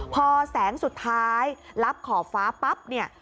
พอแสงสุดท้ายรับขอบฟ้าปั๊บเนี่ย